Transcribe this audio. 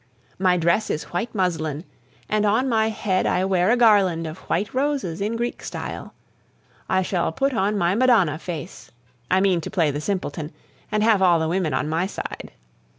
My dress is white muslin, and on my head I wear a garland of white roses in Greek style. I shall put on my Madonna face; I mean to play the simpleton, and have all the women on my side.